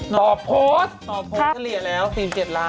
ตอบโพสต์เท่าที่เรียนแล้ว๔๗ล้านบาท